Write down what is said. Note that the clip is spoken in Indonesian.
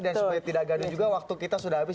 dan supaya tidak gaduh juga waktu kita sudah habis